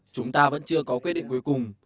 chúng ta vẫn chưa có quyết định cuối cùng